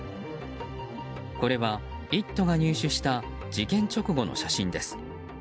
これは「イット！」が入手した事件直後の写真です。